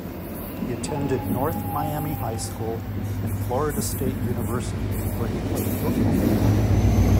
He attended North Miami High School and Florida State University where he played football.